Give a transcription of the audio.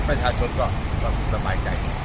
ประชาชนก็สบายใจ